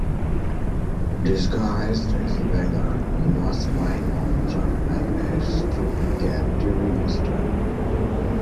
Disguised as a beggar, he was spying on Charlemagne's troop camp during Easter.